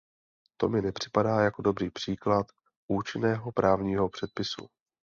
To mi nepřipadá jako dobrý příklad účinného právního předpisu.